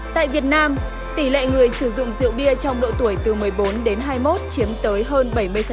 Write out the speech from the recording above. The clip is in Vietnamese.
tại việt nam tỷ lệ người sử dụng rượu bia trong độ tuổi từ một mươi bốn đến hai mươi một chiếm tới hơn bảy mươi